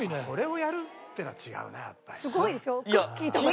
それをやるっていうのは違うなやっぱり。